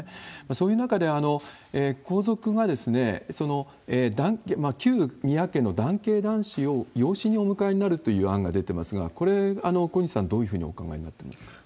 そういう中で、皇族が旧宮家の男系男子を養子にお迎えになるという案が出ていますが、これ、小西さん、どういうふうにお考えになってますか？